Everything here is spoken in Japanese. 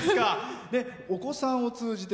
お子さんを通じて。